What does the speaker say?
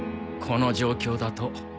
この状況だと。